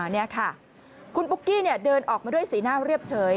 นี่ค่ะคุณปุ๊กกี้เดินออกมาด้วยสีหน้าเรียบเฉย